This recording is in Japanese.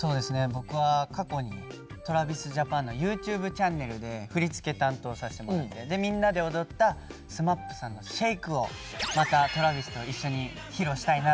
僕は過去にＴｒａｖｉｓＪａｐａｎのＹｏｕＴｕｂｅチャンネルで振り付け担当させてもらってみんなで踊ったＳＭＡＰさんの「ＳＨＡＫＥ」をまたＴｒａｖｉｓと一緒に披露したいなと思って。